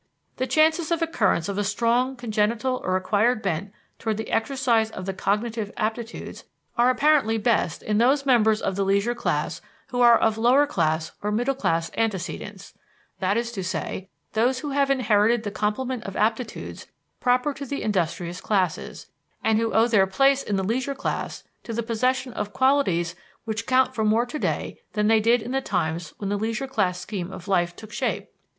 The chances of occurrence of a strong congenital or acquired bent towards the exercise of the cognitive aptitudes are apparently best in those members of the leisure class who are of lower class or middle class antecedents that is to say, those who have inherited the complement of aptitudes proper to the industrious classes, and who owe their place in the leisure class to the possession of qualities which count for more today than they did in the times when the leisure class scheme of life took shape.